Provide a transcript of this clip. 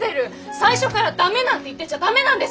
最初から駄目なんて言ってちゃ駄目なんです！